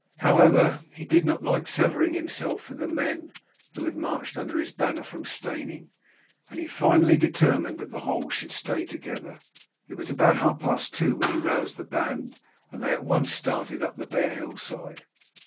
However, he did not like severing himself from the men who had marched under his banner from Steyning, and he finally determined that the whole should stay together. It was about half past two when he roused the band, and they at once started up the bare hillside.